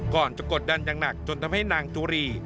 ก่อนจะกดดันอย่างหนักจนทำให้นางจุรี